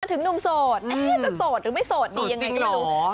ถึงหนุ่มโสดจะโสดหรือไม่โสดดียังไงก็รู้